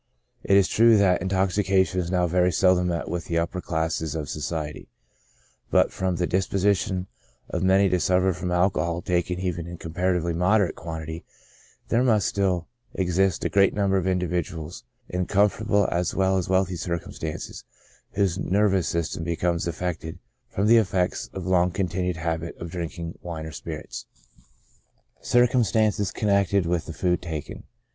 It is true that intoxication is now very seldom met with in the upper classes of society ; but, from the predisposition of many to suffer from alcohol taken even in comparatively moderate quantity, there must still exist a 2reat number of individuals, in comfortable as well as wealthy circumstances, whose nervous system becomes affected from the effects of the long continued habit of drinking wine or spirits. Circumstances connected with the Food taken.